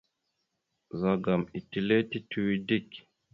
Ɓəzagaam etelle tituwe dik.